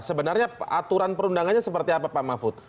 sebenarnya aturan perundangannya seperti apa pak mahfud